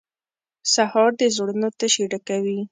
سهار د زړونو تشې ډکوي.